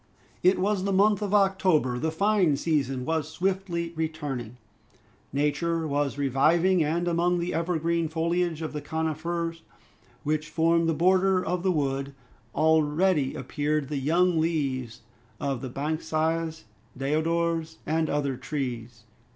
It was the month of October. The fine season was swiftly returning. Nature was reviving; and among the evergreen foliage of the coniferae which formed the border of the wood, already appeared the young leaves of the banksias, deodars, and other trees.